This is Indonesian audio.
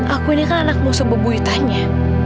aku ini kan anak musuh bebuyutannya